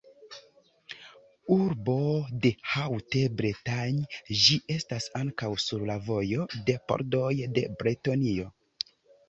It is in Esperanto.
Urbo de Haute-Bretagne, ĝi estas ankaŭ sur la vojo de pordoj de Bretonio.